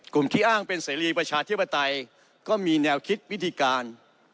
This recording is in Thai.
ที่อ้างเป็นเสรีประชาธิปไตยก็มีแนวคิดวิธีการ